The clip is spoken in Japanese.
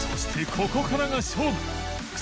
ここからが勝負禧貔